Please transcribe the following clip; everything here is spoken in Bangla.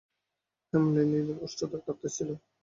হেমনলিনীর ওষ্ঠাধর কাঁপিতেছিল।